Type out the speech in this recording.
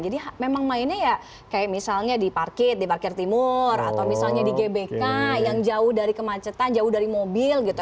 jadi memang mainnya ya kayak misalnya di parkir timur atau misalnya di gbk yang jauh dari kemacetan jauh dari mobil gitu